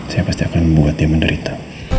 saya pasti akan membuat dia menderita